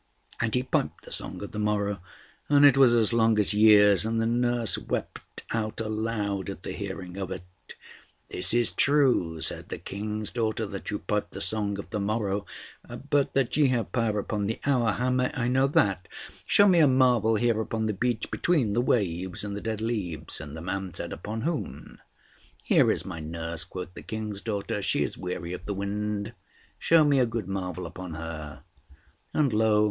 And he piped the song of the morrow, and it was as long as years; and the nurse wept out aloud at the hearing of it. "This is true," said the King's daughter, "that you pipe the song of the morrow; but that ye have power upon the hour, how may I know that? Show me a marvel here upon the beach, between the waves and the dead leaves." And the man said, "Upon whom?" "Here is my nurse," quoth the King's daughter. "She is weary of the wind. Show me a good marvel upon her." And, lo!